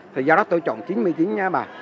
thì do đó tôi trộn chín mươi chín nha bà